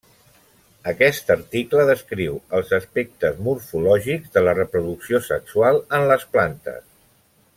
Aquest article descriu els aspectes morfològics de la reproducció sexual en les plantes.